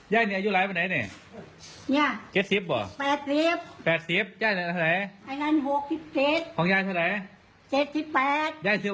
อย่าเล่นหลายนะครับ